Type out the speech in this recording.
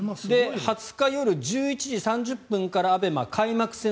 ２０日夜１１時３０分からＡＢＥＭＡ開幕戦